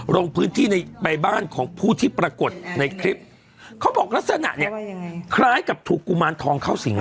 ลงพื้นที่ในใบบ้านของผู้ที่ปรากฏในคลิปเขาบอกลักษณะเนี่ยคล้ายกับถูกกุมารทองเข้าสิงห